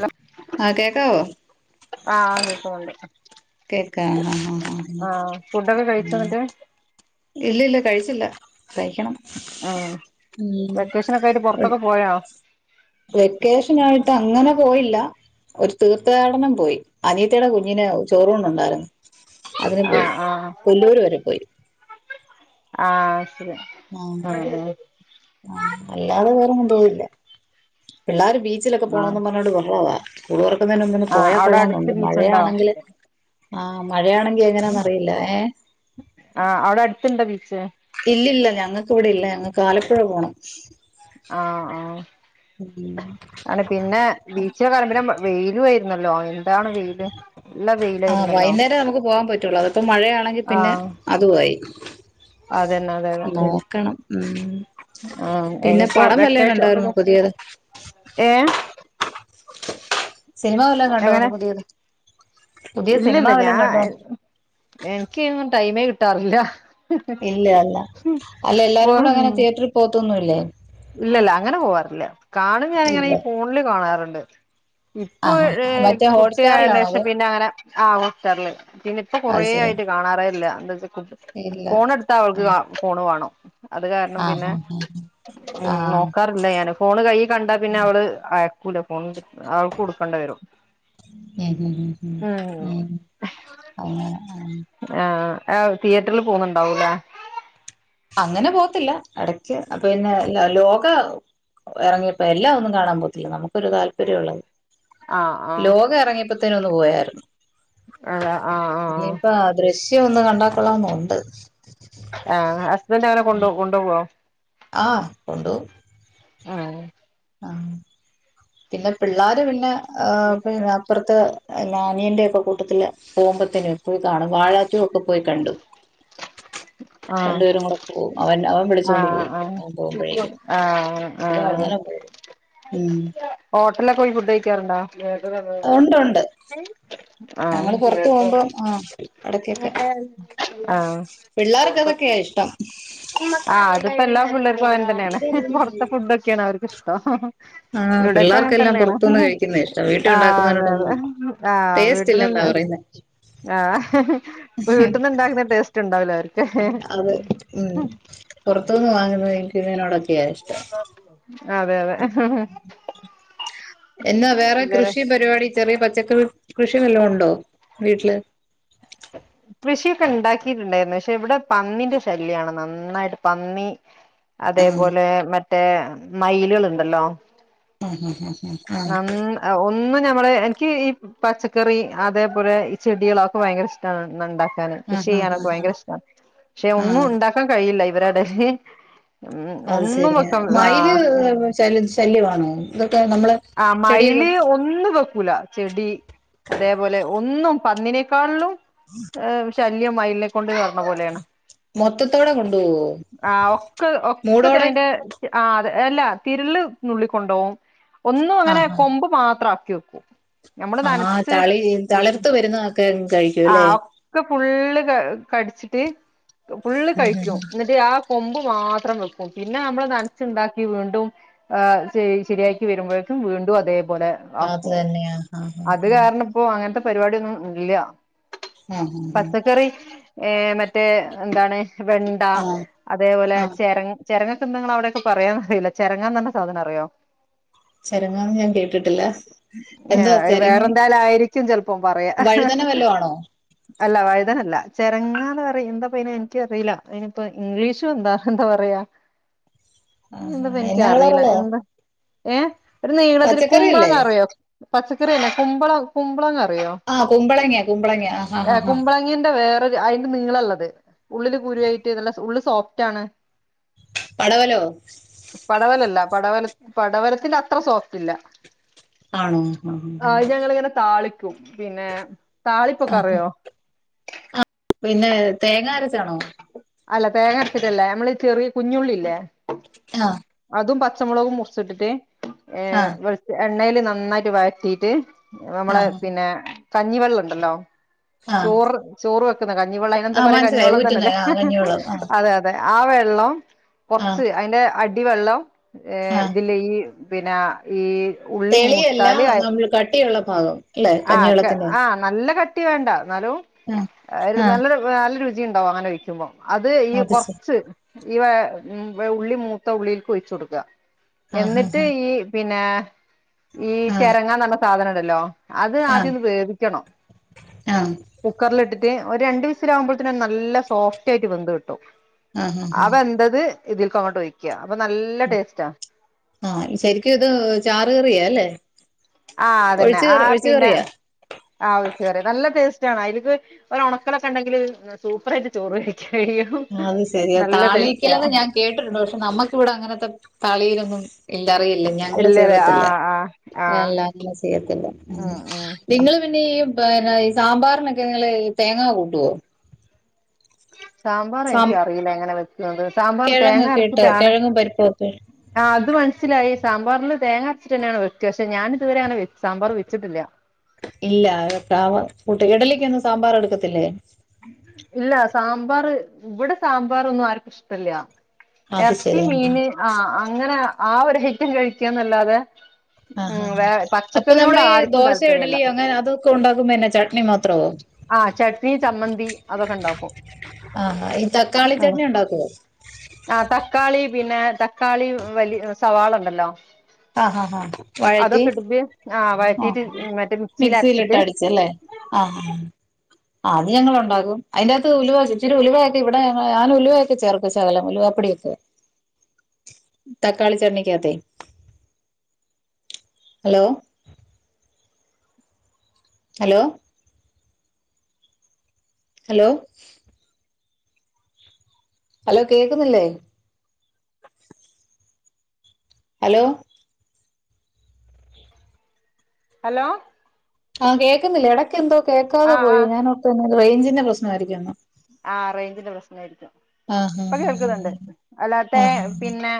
Hello ആഹ് കേക്കാവോ ആഹ് കേക്കുന്നുണ്ട് കേക്ക ആഹ് ആഹ് ആഹ് ഫുഡൊക്കെ കഴിച്ചോ ഉം എന്നിട്ട് ഇല്ല ഇല്ല കഴിച്ചില്ല കഴിക്കണം ആഹ് ഉം വെക്കേഷനൊക്കെ ആയിട്ട് പൊറത്തൊക്കെ പോയോ വെക്കേഷനായിട്ട് അങ്ങനെ പോയില്ല ഒരു തീർത്ഥാടനം പോയി അനിയത്തിയുടെ കുഞ്ഞിന് ചോറൂണ്ട ഉണ്ടായിരുന്നു അതിന് പോയി ആഹ് ആഹ് കുല്ലൂര് വരെ പോയി ആഹ് ശരി ആഹ് ആഹ് അല്ലാതെ വേറൊന്നും പോയില്ല പിള്ളേരു ബീ ച്ചിലൊക്കെ ആഹ് പോണന്ന് പറഞ്ഞോട് ബഹളമാ സ്ക്കുള് തോറക്കുന്നേന് ഒന്ന് ആഹ് പോയാൽ അവിടെ അടുത്ത് കൊള്ളാന്നുണ്ട് ബീച്ചുണ്ടോ മഴയാണെങ്കില് ആഹ് മഴയാണെങ്കി എങ്ങനാണ് അറിയില്ല ഏഹ് ആഹ് അവടെ അടുത്ത്ണ്ടോ ബീച്ച് ഇല്ലില്ല ഞങ്ങക്ക് ഇവിടെ ഇല്ല ഞങ്ങക്ക് ആലപ്പുഴ പോണം ആഹ് ആഹ് ആണ് പിന്നെ ബീച്ച് കണുമ്പളും വെയിലു വര്ന്നല്ലോ ആഹ് വൈന്നേരം നമുക്ക് പോകാൻ പറ്റുള്ളു അതിപ്പോ മഴയാണെങ്കിൽ പിന്നെ ആഹ് അതുവായി അതന്നെ അതെ അതെ ക്കണം ഉം ആഹ് പിന്നെ ഇനിയിപ്പോ പടം വല്ലം വെക്കേഷൻ കണ്ടായിരുന്നോ ഒക്കെ പുതിയത് ഏഹ് സിനിമ വല്ലോം കണ്ടോന്ന് പുതിയത് പുതിയ സിനിമ ഇല്ലല്ല വല്ലതും കണ്ടോ ഞാൻ എനിക്ക് അയിനൊന്നും ടൈമേ കിട്ടാറില്ല ഇല്ല അല്ല അല്ല എല്ലാരും കൂടെ അങ്ങനെ തിയേറ്ററിൽ പോവത്തൊന്നുമില്ലേ ഇല്ലല്ല അങ്ങനെ പോവാറില്ല കാണും ഞാനിങ്ങനെ ഇല്ല ഈ ഫോണില് കാണാറുണ്ട് ഇപ്പൊ ആഹാ മറ്റേ കുട്ടി ആയന്റെ ഹോട്ട്സ്റ്റാറിലാണോ അത് ശേഷം പിന്നെ അങ്ങനെ ആഹ് ഹോസ്റ്ററല് പിന്ന ഇപ്പൊ അത് കൊറേ ശരി ആയിട്ട് കാണാറേല്ല എന്താ വെച്ച ഇല്ല ഫോണ് എടുത്ത ആ അവൾക്ക് കാ ഫോണ് വേണം അത് കാരണം ആ പിന്നെ ആ ആ ആ. നോക്ക റില്ല ഞാന് ഫോണ് കയ്യി കണ്ടാ പിന്നെ അവള് അയക്കൂല ഫോൺ അവൾക്ക് കൊടുക്കേണ്ട വരും ഉം ഉം ഉം ഉം ആഹ് ആഹ് ആഹ് തിയേറ്ററിൽ പോന്നുണ്ടാവൂലേ അങ്ങനെ പോത്തില്ല ഇടക്ക് അപ്പ പിന്നെ ലോക ഇറങ്ങിയപ്പോ എല്ലാം ഒന്നും കാണാൻ പോത്തില്ല നമുക്കൊരു താല്പര്യം ഉള്ളത് ആ ആ ലോക ഇറങ്ങിയപ്പോ ത്തിനൊന്ന് പോയായിരുന്നു അതാ ആഹ് ആഹ് ഇനിയിപ്പ ദൃശ്യം ഒന്ന് കണ്ടാ ക്കൊള്ളന്നൊണ്ട് ആഹ് ഹസ്ബന്റ് അങ്ങന കൊണ്ട് കൊണ്ടൊവ്വോ ആഹ് കൊണ്ടൊവും ആഹ് ആഹ് പിന്ന പിള്ളാര് പിന്ന ആഹ് പിന്ന അപ്പറ ത്തെ ഞാ അനിയന്റെ ഒക്കെ കൂട്ടത്തില് പോകുമ്പത്തേന് പോയി കാണും വാഴാ ടു ഒക്കെ പോയി കണ്ടു [inaudible] ആഹ് രണ്ടു പേരും കൂടെ പോവും അവൻ അവൻ വിളിച്ച് കൊണ്ട് ആഹ് പോവും അവൻ പോവുമ്പഴേക്കും ഇന്നല [unintelligible] ഹോട്ടലൊക്ക പോയി ഫുഡ് കഴിക്കാറുണ്ടാ ഉണ്ട് ഉണ്ട് ഞങ്ങള് ആഹ് പുറത്ത് പോകുമ്പം ആഹ് ഇടക്കൊക്കെ ആഹ് പിള്ളേർക്ക് അതൊക്കെയാ ഇഷ്ടം ആഹ് അതിപ്പോ എല്ലാം പിള്ളേർക്കും അങ്ങനെ തന്നെയാണ് പൊറത്തെ ഫുഡൊക്കെയാണ് അവർക്കിഷ്ടം ആഹ് ഇവിടേക്കെ അങ്ങനെ പിള്ളേർക്കെല്ലാം തന്നേണ് പുറത്തുനിന്ന് കഴിക്കുന്നതാ ഇഷ്ടം വീട്ടിൽ ആഹ് അതെ അതെ ഉണ്ടാക്കുന്നതിനോടൊന്നും ആഹ് ടേസ്റ്റ് വീട്ടില് ഇല്ലെന്നാ ഉണ്ടാ പറയുന്നേ ആഹ് വീട്ടിന്ന് ഇണ്ടാക്കുന്ന ടേസ്റ്റ് ഉണ്ടാവില്ല ആർ അത് ഉം പൊറത്തു നിന്ന് വാങ്ങുന്നത് എനിക്ക് [unintelligible] അതെ അതെ എന്നാ വേറെ ഇവരെ ക്രിഷീം പരിപാടീം ചെറിയ പച്ചക്കറി കൃഷി വല്ലോം ഒണ്ടോ വീട്ടില് കൃഷിയൊക്കെ ഇണ്ടാക്കിയിട്ടുണ്ടായിരുന്നു പക്ഷെ ഇവിടെ പന്നീന്റെ ശല്യാണ് നന്നായിട്ട് പന്നി അതേ ആഹ് പോലെ മറ്റേ മയിലുകളുണ്ടല്ലോ ആഹ് ആഹ് ആഹ് നന്ന ആഹ് ഒന്നും ഞമ്മള് എനിക്ക് ഈ പച്ചക്കറി അതേ പോലെ ഈ ചെടികളൊക്കെ ഭയങ്കര ഇഷ് ട്ടാണ് ന്ന് ഒണ്ടാക്കാന് കൃഷി ആഹ് ചെയ്യാനൊക്കെ ആഹ് ഭയങ്കര ഇഷ്ടാണ് പക്ഷെ ആഹ് ഒന്നും ആഹ് ഒണ്ടാക്കാൻ കഴിയില്ല ഇവര എടേല് അത് ശെരിയാ മയില് ശല്യ ശല്യമാണോ ഇതൊക്കെ നമ്മള് ആഹ് ചെടിയൊക്കെ മയില് ഒന്നും വെക്കൂല ചെടി അതേ പോലെ ഒന്നും പന്നിനേക്കാളിലും ഉം [unintelligible] ഏഹ് ശല്യം മയിലിനെ കൊണ്ട് കേറണ പോലെയാണ് മൊത്തത്തോടെ കൊണ്ടുപോവോ ആഹ് ഒക്ക് മൂടോടെ ഒക്കെതയിന്റെ [unintelligible] ആഹ് അതെ അല്ല തിരുള് നുള്ളി കൊണ്ട് പോവും ഒന്നും അങ്ങനെ ആഹ് കൊമ്പ് മാത്രം ആക്കി വെക്കും നമ്മള് ആഹ് ആഹ് നനച്ച് തളി ഒ തളിർത്ത് വരുന്നതൊക്കെ കഴിക്കും ആഹ് അല്ലേ ഒ ക്കെ ഫുള്ള് ക കടിച്ചിട്ട് ഫുള്ള് കഴിക്കും എന്നിട്ട് ആ കൊമ്പ് മാത്രം വെക്കും പിന്നെ നമ്മള് നനച്ചുണ്ടാക്കി വീണ്ടും ഏഹ് ശെ ശെരിയാ ക്കി വരുമ്പൊഴേക്കും വീണ്ടും അതേ പോലെ അത് ആക്കും തന്നെയാ ആഹ് അത് കാരണം പ്പൊ അങ്ങനത്തെ പരിപാടിയൊന്നും ഇല്ല ആഹ് ആഹ് പച്ചക്കറി ഏഹ് മറ്റേ എന്താണ് വെണ്ട ആഹ് ആഹ് അതേ പോലെ ആഹ് ചെര ചെരങ്ങക്ക് എന്താ നിങ്ങള അവിടേക്ക പറയാന്ന് അറിയില്ല ചെരങ്ങാന്ന് പറയണ സാധനം അറിയോ ചെരങ്ങാന്ന് ഞാൻ കേട്ടിട്ടില്ല എന്തുവാ ഏഹ് ചെരങ്ങ വേറെന്താലും ആയിരിക്കും ചെലപ്പം പറയാ വഴുതന വല്ലോ ആണോ അല്ല വഴുതന അല്ല ചെരങ്ങാന്ന് പറയ് എന്താപ്പാ അയിന് എനിക്കറിയില്ല അയിനിപ്പോ ഇംഗ്ലീഷും എന്താ എന്താ പറയാ ആഹ് [unintelligible] ഒള്ളോ ഏഹ് ഒരു നീളത്തില് പച്ചക്കറിയല്ലേ കുമ്പളങ്ങ അറിയോ പച്ചക്കറി അല്ല കുമ്പളം കുമ്പളങ്ങ അറിയോ ആഹ് കുമ്പളങ്ങ കുമ്പളങ്ങ ആഹ് ഹ ഹ ഹാ [unintelligible] [unintelligible] അയിന്റെ നീളള്ളത് ഉള്ളില് കുരുവായിട്ട് നല്ല സ് ഉള്ള് സോഫ്റ്റാണ് പടവലോ പടവലല്ല പടവല പടവലത്തിന്റെ അത്ര സോഫ്റ്റ് ഇല്ല ആണോ ആഹ് അത് ഞങ്ങളിങ്ങനെ താളിക്കും പിന്നെ താളിപ്പൊക്കെ അറിയോ ആ പിന്നെ തേങ്ങ അരച്ചാണോ അല്ല തേങ്ങരച്ചിട്ടല്ല നമ്മളീ ചെറിയ കുഞ്ഞുള്ളില്ലേ ആ അതും പച്ചമുളകും മുറിച്ചിട്ടിട്ട് ഏ ആഹ് വെ എണ്ണേല് നന്നായിട്ട് വഴറ്റിട്ട് നമ്മളെ ആഹ് പിന്നെ കഞ്ഞിവെള്ളണ്ടല്ലോ ആഹ് ചോറ് ചോറ് വെക്കുന്ന കഞ്ഞിവള്ളം അയ്നെന്താ ആഹ് പറയാ മനസ്സിലായി ഊറ്റുന്നെ കഞ്ഞിവെള്ളന്നെന്നല്ലേ ആഹ് കഞ്ഞിവെള്ളം ആഹ് അതെ അതെ ആ വെള്ളം ആഹ് കൊർച്ച് അയ്ന്റെ അടിവെള്ളം ഏ ആഹ് ഇതില് ഈ പിന്നെ ഈ ഉള്ളി തെളിയല്ല മൂത്താല് അ നമ്മൾ കട്ടിയുള്ള ഭാഗം അല്ലെ ആ കെ കഞ്ഞിവെള്ളത്തിന്റെ ആ നല്ല കട്ടി വേണ്ട ന്നാലും ആഹ് ഒരു ആഹ് നല്ലൊരു നല്ല രുചിണ്ടാവും അങ്ങനെ ഒയ്ക്കുമ്പോ അത് ഈ കൊർച്ച് ഈവ ഉള്ളി മൂത്ത ഉള്ളിക്ക് ഒഴിച്ചു കൊടുക്ക ആഹ് എന്നിട്ട് ആഹ് ഈ പിന്നെ ഈ ആഹ് ചെരങ്ങാന്ന് ർഞ സാധനണ്ടല്ലോ അത് ആഹ് ആദ്യോന്ന് വേവിക്കണം ആഹ് കുക്കറിലിട്ടിട്ട് ഒരണ്ട് വിസിലാകുമ്പോൾത്തിന് നല്ല സോഫ്റ്റായിട്ട് വെന്ത് കിട്ടും ആഹ് ആ ആഹ് വെന്തത് ഇതിൽക്കങ്ങോട്ട് ഒഴിക്ക അപ്പൊ നല്ല ടേസ്റ്റാ ആ ശെരിക്ക്ത് ചാറ് കറിയാ ല്ലേ ആ അതെന്നെ ആ പിന്നെ കറിയാ ആ ഒയ്ച്ചറി നല്ല ടേസ്റ്റാണ് അയ്ല്ക്ക് ഒരൊണക്കലൊക്കെണ്ടെങ്കില് സൂപ്പറായിട്ട് ചോറ് കഴിക്ക കഴിയും അത് ശെരിയാ നല്ല ടേസ്റ്റാ താളിക്കലെന്ന് ഞാൻ കേട്ടിട്ടുണ്ട് പക്ഷെ നമ്മക്കിവിടെ അങ്ങൻത്തെ താളിലൊന്നും ഇല്ല അറിയില്ല ഞങ്ങള് ഇല്ലല്ലേ ചെയ്ത്ട്ടില്ല ആഹ് ആഹ് ആഹ് [unintelligible] ചെയ്യത്തില്ല ഉം ഉം നിങ്ങള് പിന്നെ ഈ ഈ സാമ്പാറിനൊക്കെ ങ്ങള് തേങ്ങ കൂട്ടോ സാം സാമ്പാറെനിക്കറിയില്ല എങ്ങനെ വെക്കാന്ന് സാമ്പാറ് തേങ്ങ കിഴങ്ങൊക്കെ ഇട്ട് അരച്ചിട്ടാണ് കിഴങ്ങും പരിപ്പും ഒക്കെ ആ അത് മനസ്സിലായി സാമ്പാറില് തേങ്ങ അരച്ചിട്ടെന്നെണ് വെക്ക പക്ഷെ ഞാനിതുവരെ അങ്ങനെ സാമ്പാറ് വെച്ച്ട്ടില്ല ഇല്ല [unintelligible] ഇഡലിക്കൊന്നും സാമ്പാറെടുക്കത്തില്ലേ ഇല്ല സാമ്പാറ് ഇവിടെ സാമ്പാറൊന്നും ആര്ക്കും ഇഷ്ടല്ല അത് എർച്ചി ശരി ആഹ് മീന് ആ അങ്ങനെ ആ ഒരു ഐറ്റം കഴിക്യന്നല്ലാതെ ആ ആ അപ്പൊ നമ്മളീ ആർക്കും ദോശ താല്പര്യല്ല ഇഡലി അങ്ങനെ അതൊക്കെ ണ്ടാക്കുമ്പോ എന്നാ ചട്നി മാത്രോ ആ ചട്നി ചമ്മന്തി അതൊക്കെ ണ്ടാക്കും ഉം ണ്ടാക്കോ ആ തക്കാളി പിന്നെ തക്കാളി വല്യ സവാളണ്ടല്ലോ ആഹാ ഹാ വഴറ്റി [unintelligible] ആ മറ്റേ മിക്സിയിൽ മിക്സിലിട്ട് അരച്ചിട്ട് അടിച്ച് ലെ ആ ആ അത് ഞങ്ങളൊണ്ടാക്കും അയ്ന്റകത്ത് ഉലുവാ ഇച്ചിരി ഉലുവയൊക്കെ ഇവിടെ ങ്ങള് ഞാൻ ഉലുവയൊക്കെ ചേർക്കും ശകലം ഉലുവ പൊടിയൊക്കെ തക്കാളി ചട്നിക്കകത്തെ ഹലോ ഹലോ ഹലോ ഹലോ കേക്കുന്നില്ലേ ഹലോ ഹലോ ആ കേക്ക്ന്നില്ലേ എടക്കെന്തോ ആ കേൾക്കാതെ ആ പോയോ ഞാനോർത്തു പിന്നെ റെയ്ഞ്ചിന്റെ പ്രശ്നായിരിക്കുംന്ന് ആ റെയ്ഞ്ചിന്റെ പ്രശ്നായിരിക്കും ആഹ് ഇപ്പൊ ആഹ് കേൾക്ക്ന്ന്ണ്ട് ആഹ് അല്ലാ തേ ആഹ് ആഹ് പിന്നെ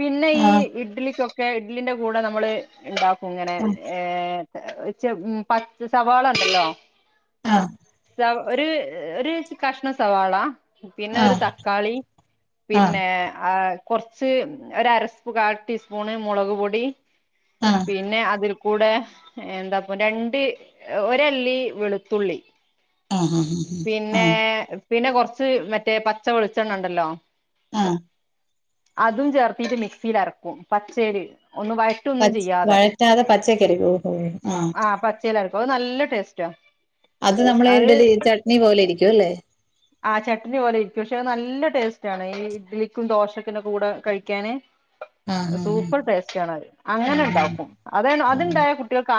പിന്നെ ഈ ആഹ് ഇഡ്ലിക്കൊ ക്കെ ഇഡ്ലിന്റെ കൂടെ നമ്മള് ണ്ടാക്കും ങ്ങനെ ഏ ചെ പ സവാളണ്ടല്ലോ ആ സ ഒര് ഒര് കഷ്ണം സവാള പിന്നെ ഒരു ആഹ് തക്കാളി ആഹ് പിന്നെ ആ - കുർച്ച് ഒരരസ്പു കൽ ടീസ്പൂണ് മുളക് പൊടീം. അ പിന്നെ അതിൽ കൂടെ എന്താപ്പൊ രണ്ട്. ഒരെല്ലി വെളുത്തുള്ളി. അഹ ഹ ഹഹ അ പിന്നെ പിന്നെ കൊറച്ച് മറ്റേ പച്ച വെളിച്ചെണ്ണണ്ടല്ലോ. അഹ് അതും ചേർത്തീറ്റ് മിക്സീലരക്കും പച്ചേല് ഒന്ന് വയ പച് വഴറ്റാതെ പച്ചക്കരിക്കോ? ം ആ ചേലര്ക്കും അത് നല്ല ടേസ്റ്റാ. അത് നമ്മളെ ഇഡ്ഡലി ചട്നി പോലെ ഇരിക്കോല്ലെ. ആ ചട്നി പോലെ ഇരിക്കും പക്ഷെ അനല്ല ടേസ്റ്റാണ് ഈ ഇഡ്ലിക്കും ദോശക്കെ കൂടെ കഴിക്കാന്. [inaudible] സൂപ്പർ ടേസ്റ്റാണത് ആഹ് അങ്ങനെണ്ടാക്കും അതാണ് ആഹ് അത്ണ്ടായ കു. ട്യൾക്കാ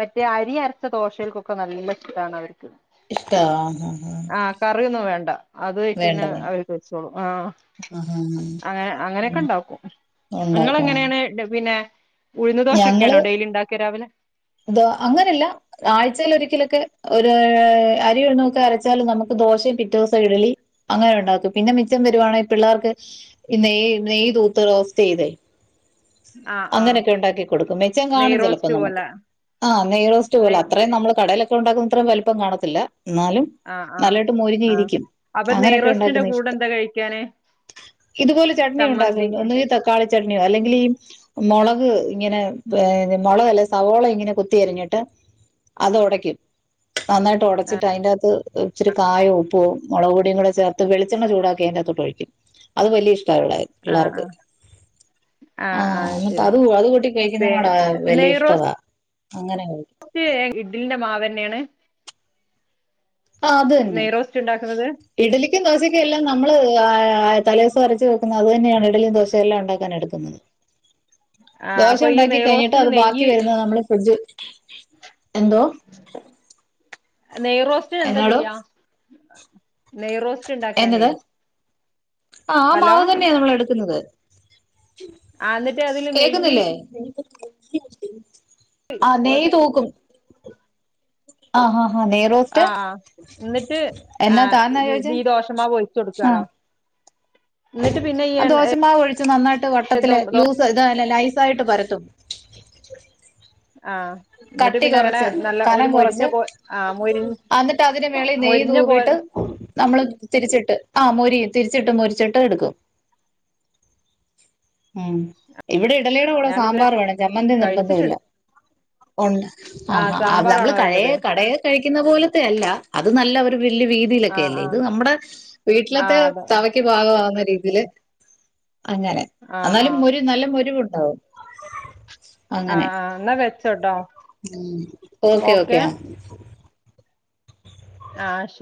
മറ്റേ അരി അരച്ച ദോശേൽക്കൊക്കെ നല്ലഷ്ടാണവർക്ക്. ഇഷ്ടാ ഹ ഹാ കറ്യൊന്നും വേണ്ട അത് ഒയിച്ചെഞ അവര് കഴിച്ചോളും. ആഹ് അഹാ ഹ അങ്ങനെ അങ്ങനെക്കെണ്ടാക്കും. ഉണ്ടാക്കാം ങ്ങ്ളെങനേണ് പിന്നെ ഉഴുന്ന് ദോഷൊക്കേണോ ഡെയിലി ഉണ്ടാക്ക രാവിലെ? ദൊ അങ്ങനെല്ല. ആഴ്ചേലൊരിക്കലൊക്കെ ഒരൂ അരി ഒന്നൊക്കെ അരച്ചാല് നമ്മക്ക് ദോശേം പിറ്റേ ദിവസം ഇട്ലി അങ്ങനെ ഉണ്ടാക്കും പിന്നെ മിച്ചം വരുവാണെങ്കിൽ പിള്ളേർക്ക് ഈ നെയ് നെയ് തൂത്ത് റോസ്റ്റ് ചെയ്തേ. ആ ആ അങ്ങനൊക്കെ ഉണ്ടാക്കി കൊടുക്കും മെച്ചം കാണും ചിലപ്പോ നെയ്റോസ്റ്റ് നമുക്ക്. പോലെ ആഹ് നെയ്റോസ്റ്റ് പോലെ നെയ് അത്രേം നമ്മള് കടേലൊക്കെ ഉണ്ടാക്കുന്നത്രേം വലിപ്പം കാണത്തില്ല. ന്നാലും ആ ആ നല്ലായിട്ട് മൊരിഞ്ഞ് ആ ഇരിക്കും അപ്പൊ അങ്ങനെയൊക്കെ നെയ്റോസ്റ്റിന്റെ ഉണ്ടാക്കുന്ന കൂടെ ഇഷ്ട. എന്താ കഴിക്കാന് ഇതുപോലെ ചട്ണി ഉണ്ടാകും ചമ്മന്തി ഒന്നുകി തക്കാളി ചട്ണ്യോ അല്ലെങ്കിലീ. മൊളക് ഇങ്ങനെ അ് മുളകല്ല സവോള ഇങ്ങനെ കുത്തിയരിഞ്ഞിട്ട്. അതൊടയ്ക്കും നന്നായിട്ട് ഒടച്ചിട്ട് അയിന്റെകത്ത് ച്ചിരി കായോം ഉപ്പും. മൊളക പൊടീം കൂടെ ചേർത്ത് വെളിച്ചെണ്ണചൂടാക്കി അയിൻ്റ കത്തൊട്ടൊഴിക്കും അത് വല്ല്യ ഇഷ്ട്ടായിവീടെ. ആ അ ആഹ് ന്ന്ട്ട് അത് അത് കൂട്ടി പി കഴിക്കുന്നതിനോട വലിയ ഇഷ്ടവാ. അങ്ങനെ [unintelligible] പക്ഷേ ഇഡിലിന്റെ മാവന്നെയാണ്? ആ അത് ന്നെ. നെയ്റോസ്റ്റ് ഉണ്ടാക്കുന്നത് ഇഡലിക്കും ദോശയ്ക്കും എല്ലാം നമ്മള് ആ തലേസോരച്ച് വെക്കുന്നത് അത് തന്നെയാണ് ഇഡലിയും ദോശയെല്ലാം ഉണ്ടാക്കാൻ എടുക്കുന്നത്. ആ ദോശ അപ്പൊ ഈ ഉണ്ടാക്കി കഴിഞ്ഞിട്ട് നെയ്റോസ്റ്റിന് അത് ബാക്കി നെയ്യ് വരുന്നത് നമ്മള് ഫ്രിഡ്ജ് എന്തോ? നെയർ റോസ്റ്റ്ന് എന്താ എന്നാടോ ചെയ്യാ? നെയ്റോസ്റ്റ് ഉണ്ടാക്കാനേ എന്നത് ആ ആ ഹലോ മാവ് തന്നെയ നമ്മൾ എടുക്കുന്നത്. ആ എന്നിട്ട് അതില് നെയ്യ് കേക്കുന്നില്ലേ? ആഹ് നെയ് തൂക്കും. ആഹ് ഹ ഹ നേയ്റോ ആഹ് അ ന്നിട്ട് ആഹൺ താന്നാ ചോദിച്ചേ ഈ ദോഷമാവൊഴിച്ചൊ ട്ക്കാണോ? അ ദോശമാവ് ഒഴിച്ച് നന്നായിട്ട് വട്ടത്തില് എണ്ണ ലൂസ് ത് അല്ല നൈസായിട്ട് പരത്തും. ആ എന്നിട്ട് കട്ടി പിന്നെ അങ്ങനെ കൊറച്ച് നല്ല ഒരു കനം മൊരിഞ്ഞ കൊറച്ച് പോ ആ മൊരി അത് ട്ടതിന് മേളി നെയ് മൊരിഞ്ഞ പോ തൂവീട്ട് നമ്മള് തിരിച്ചിട്ട് ആ മൊരിയും തിരിച്ചിട്ട് മൊരിച്ചിട്ട് എടുക്കും. ം ഇവിടെ ഇഡ്ഡലിയുടെ കൂടെ ഞാനിത് സാമ്പാർ വേണം ചമ്മന്തി നിർബന്ധോ ഇല്ല. കഴിച്ചിട്ടുണ്ട് ഒണ്ട് ആ അഹ നമ്മള് സാമ്പാറാണോ കഴേ വേണ്ടത് കടേല് കഴിക്കുന്ന പോലത്തെ അല്ല അത് നല്ല ഒരു വല്യ വീതിയിലൊക് ആ ല്ലേ ആ ഇത് നമ്മുടെ ആ വീട്ടിലത്തെ അതെ തവക്ക് പാകവുന്ന രീതില് അങ്ങനെ ആ ആ എന്നാലും മൊരു നല്ല മുരിവ് ഉണ്ടോ ആഹ് ആഹ് എന്ന വെച്ചോ ട്ടോ ഉം ഓക്കെ ഓക്കെ ആഹ് ആഹ് ശരി